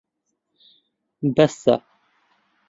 بەسە.